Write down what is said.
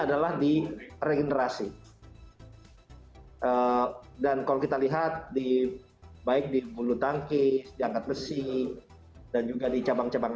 adalah di regenerasi dan kalau kita lihat di baik di bulu tangkis di angkat besi dan juga di cabang cabang